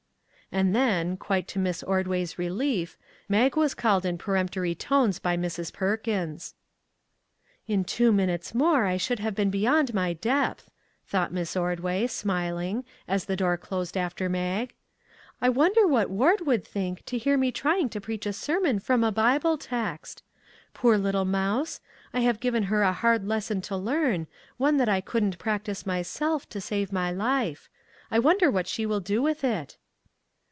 And then, quite to Miss Ordway's relief, Mag was called in peremptory tones by Mrs. Per kins. " In two minutes more I should have been be yond my depth !" thought Miss Ordway, smil ing, as the door closed after Mag. I wonder what Ward would think to hear me trying to preach a sermon from a Bible text ? Poor little mouse ! I have given her a hard lesson to learn, 261 MAG AND MARGARET one that I couldn't practice myself to save my life. I wonder what she will do with it?